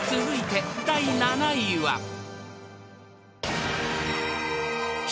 ［続いて第７位は］